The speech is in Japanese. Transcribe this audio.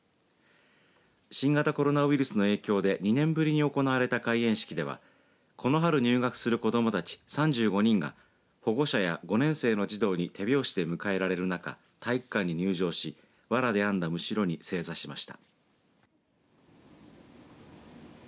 新型コロナウイルスの影響で２年ぶりに行われた開莚式ではこの春入学する子どもたち３５人が保護者や５年生の児童に手拍子で迎えられる中体育館に入場しわらで編んだむしろに正座しました。